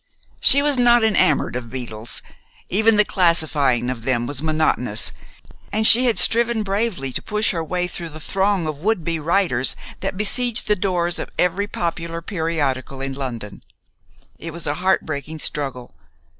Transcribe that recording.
She was not enamored of beetles. Even the classifying of them was monotonous, and she had striven bravely to push her way through the throng of would be writers that besieged the doors of every popular periodical in London. It was a heartbreaking struggle.